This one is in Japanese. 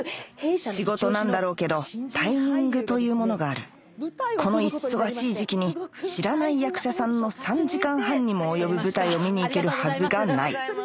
仕事なんだろうけどタイミングというものがあるこの忙しい時期に知らない役者さんの３時間半にも及ぶ舞台を見に行けるはずがない